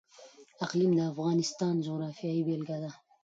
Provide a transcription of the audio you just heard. اقلیم د افغانستان د جغرافیې بېلګه ده.